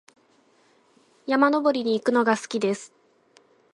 山登りに行くのが好きです。